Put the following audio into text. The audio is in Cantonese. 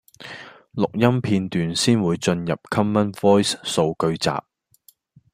錄音片段先會進入 Common Voice 數據集